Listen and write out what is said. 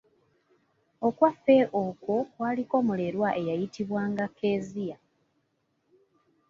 Okwaffe okwo kwaliko mulerwa eyayitibwanga Kezia.